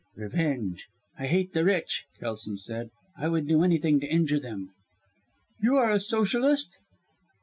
"Revenge! I hate the rich," Kelson said. "I would do anything to injure them." "You are a Socialist?"